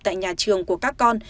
tại nhà trường của các con